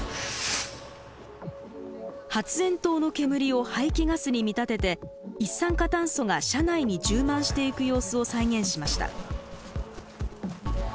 発煙筒の煙を排気ガスに見立てて一酸化炭素が車内に充満していく様子を再現しました。